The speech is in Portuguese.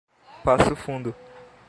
Passo Fundo